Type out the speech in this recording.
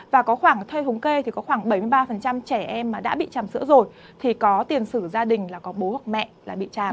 và có khoảng thời thống kê thì có khoảng bảy mươi ba trẻ em mà đã bị chầm sữa rồi thì có tiền sử gia đình là có bố hoặc mẹ là bị tràn